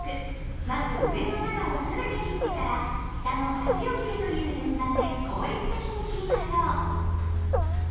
まず上の７をすべて切ってから下の８を切るという順番で効率的に切りましょう。